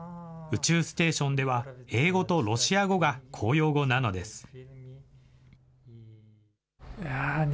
宇宙ステーションでは英語とロシア語が公用語なのです。